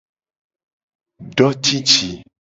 Do cici :